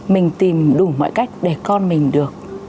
mình tìm đủ mọi cách để con mình được